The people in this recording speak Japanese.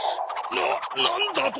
ななんだと！？